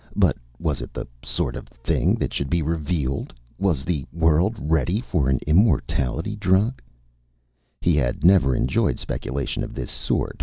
But was it the sort of thing that should be revealed? Was the world ready for an immortality drug? He had never enjoyed speculation of this sort.